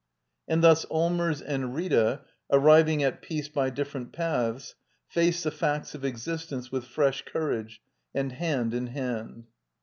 And thus Allmers and Rita, arriving at peace by different paths, face the facts of existence with fresh courage, and hand in hand.